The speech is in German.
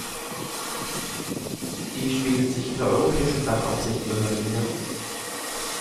Dies spiegelt sich in der Europäischen Bankenaufsichtsbehörde wieder.